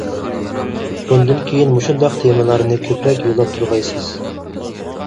بۇندىن كىيىن مۇشۇنداق تېمىلارنى كۆپرەك يوللاپ تۇرغايسىز!